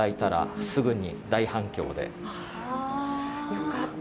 よかった！